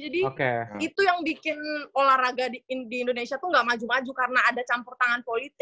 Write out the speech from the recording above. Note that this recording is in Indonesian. jadi itu yang bikin olahraga di indonesia tuh nggak maju maju karena ada campur tangan politik